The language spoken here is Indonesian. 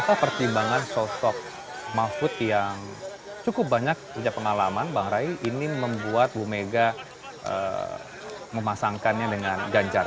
apa pertimbangan sosok mahfud yang cukup banyak punya pengalaman bang ray ini membuat bu mega memasangkannya dengan ganjar